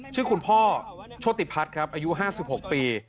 ชื่อคุณพ่อโชติพัฒน์ครับอายุ๕๖ปี